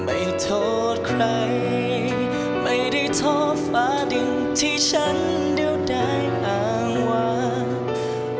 ไม่โทษใครไม่ได้โทษฟ้าดินที่ฉันเดียวได้อ้างว่า